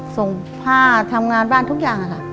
ส่งผ้าทำงานบ้านทุกอย่างค่ะ